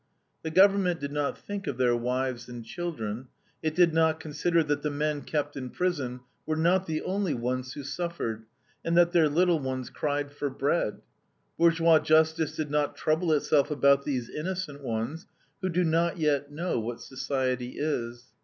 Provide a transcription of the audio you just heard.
"The government did not think of their wives and children. It did not consider that the men kept in prison were not the only ones who suffered, and that their little ones cried for bread. Bourgeois justice did not trouble itself about these innocent ones, who do not yet know what society is.